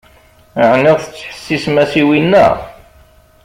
Ɛni tettḥessisem-as i winna?